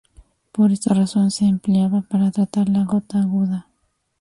Por esta razón se empleaba para tratar la gota aguda.